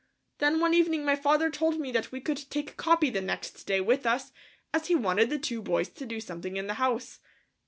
Then one evening my father told me that we could take Capi the next day with us, as he wanted the two boys to do something in the house.